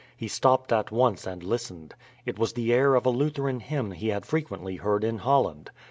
He stopped at once and listened. It was the air of a Lutheran hymn he had frequently heard in Holland.